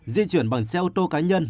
di chuyển bằng xe ô tô cá nhân